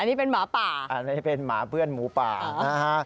นี่เป็นหมาป่าอันนี้เป็นหมาเพื่อนหมูป่านะฮะ